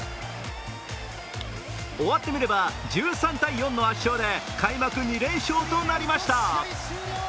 終わってみれば、１３−４の圧勝で開幕２連勝となりました。